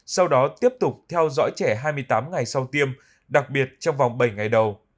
sau đó tiếp tục theo dõi trẻ hai mươi tám ngày sau tiêm đặc biệt trong vòng bảy ngày đầu